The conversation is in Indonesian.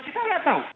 kita tidak tahu